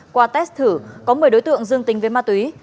qua test thử có một mươi đối tượng dương tính với ma túy